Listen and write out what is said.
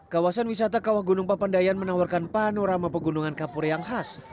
kawasan wisata kawah gunung papandayan menawarkan panorama pegunungan kapur yang khas